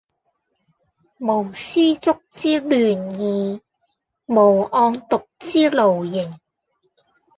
無絲竹之亂耳，無案牘之勞形